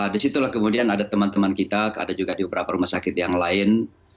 di situlah kemudian ada teman teman kita ada juga di beberapa rumah sakit yang lain